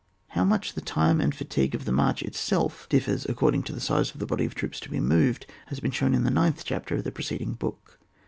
How much the time and fatigue of the march itself differs according to the size of the body of troops to be moved, has been shown in the ninth chapter of the pre ceding book.